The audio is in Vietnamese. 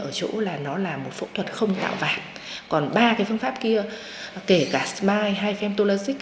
ở chỗ là nó là một phẫu thuật không tạo vạc còn ba cái phương pháp kia kể cả smile hay femtologic